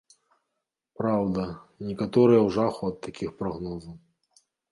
Праўда, некаторыя ў жаху ад такіх прагнозаў.